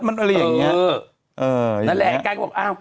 นั่นแหละกายก็บอก